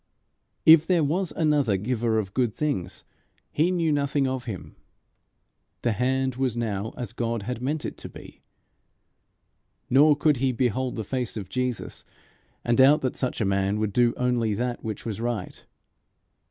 If there was another giver of good things he knew nothing of him. The hand was now as God had meant it to be. Nor could he behold the face of Jesus, and doubt that such a man would do only that which was right.